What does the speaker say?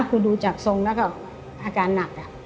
คือดูจากทรงแล้วก็อาการหนัก